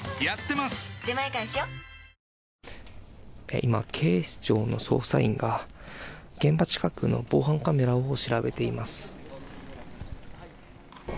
今、警視庁の捜査員が現場近くの防犯カメラを調べています。